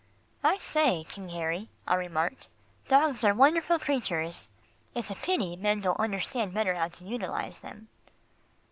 "I say, King Harry," I remarked, "dogs are wonderful creatures. It's a pity men don't understand better how to utilise them."